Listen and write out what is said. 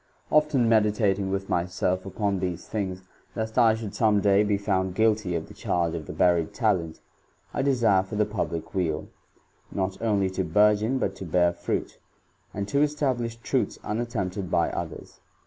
;.0iit6n meditating with myself upon these thio^V'^^^t I should some day be found guilty Tj/ the charge of the buried talent,^ I desire fof.iJ^ public weal, not only to burgeon, but to bearfruit,^ and to establish truths unat temp<ed Iby others.